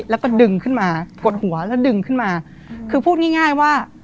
แล้วก็ดึงขึ้นมากดหัวแล้วดึงขึ้นมาคือพูดง่ายง่ายว่า